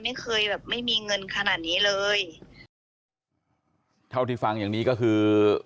ไม่เคยแบบไม่มีเงินขนาดนี้เลยเท่าที่ฟังอย่างนี้ก็คือ